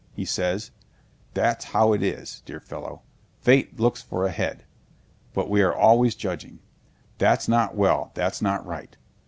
he says. That's how it is, dear fellow. Fate looks for a head. But we are always judging, 'that's not well—that's not right!